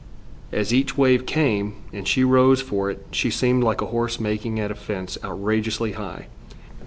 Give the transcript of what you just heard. As each wave came, and she rose for it, she seemed like a horse making at a fence outrageously high.